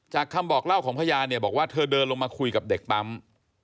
คำบอกเล่าของพยานเนี่ยบอกว่าเธอเดินลงมาคุยกับเด็กปั๊ม